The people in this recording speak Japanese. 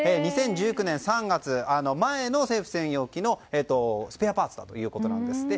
２０１９年３月前の政府専用機のスペアパーツだということですって。